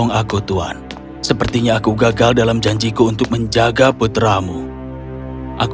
karius terlihat tajam di sehari hari sebelum kejadian yaa